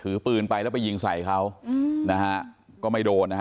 หลือเลือดอาบแล้วถูกเผารดกระบะไปนี่ฮะ